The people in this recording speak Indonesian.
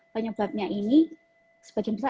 penyebabnya ini sebagian besar